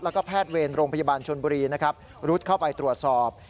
แล้วก็แพทย์เวรโรงพยาบาลชนบุรีนะครับรุดเข้าไปตรวจสอบ